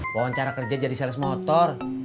wawancara kerja jadi sales motor